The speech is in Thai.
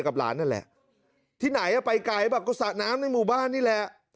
กับหลานนั่นแหละที่ไหนอ่ะไปไกลแบบก็สระน้ำในหมู่บ้านนี่แหละ